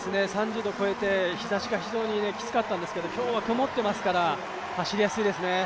３０度を超えて日ざしが非常にきつかったんですけど今日は曇ってますから走りやすいですね。